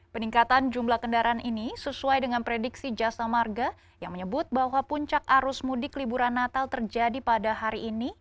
peningkatan jumlah kendaraan ini sesuai dengan prediksi jasa marga yang menyebut bahwa puncak arus mudik liburan natal terjadi pada hari ini